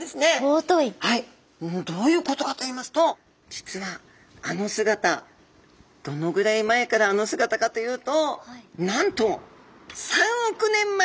はいどういうことかと言いますと実はあの姿どのぐらい前からあの姿かというとなんと３億年前！